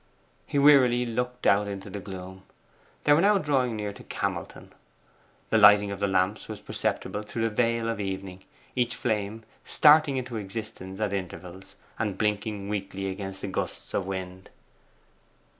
He wearily looked out into the gloom. They were now drawing near to Camelton. The lighting of the lamps was perceptible through the veil of evening each flame starting into existence at intervals, and blinking weakly against the gusts of wind.